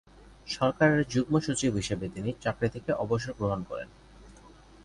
সরকারের যুগ্ম সচিব হিসেবে তিনি চাকরি থেকে অবসর গ্রহণ করেন।